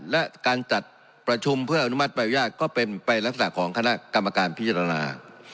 และการจัดประชุมเพื่ออนุมัติใบอนุญาตก็เป็นไปลักษณะของคณะกรรมการพิจารณา